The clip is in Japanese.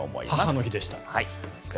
母の日でした。